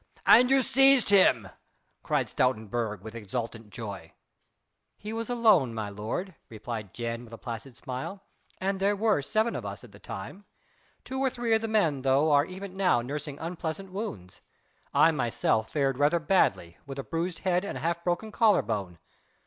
"And you seized him?" cried Stoutenburg with exultant joy. "He was alone, my lord," replied Jan with a placid smile, "and there were seven of us at the time. Two or three of the men, though, are even now nursing unpleasant wounds. I myself fared rather badly with a bruised head and half broken collar bone....